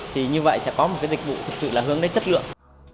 thì như vậy sẽ có một cái dịch vụ thực sự là hướng đến chất lượng